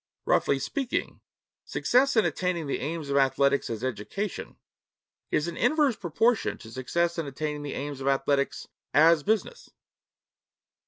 Roughly speaking, success in attaining the aims of athletics as education is in inverse proportion to success in attaining the aims of athletics as business.